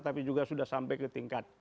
tapi juga sudah sampai ke tingkat